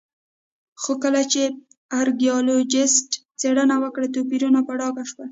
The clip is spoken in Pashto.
خو کله چې ارکيالوجېسټ څېړنې وکړې توپیرونه په ډاګه شول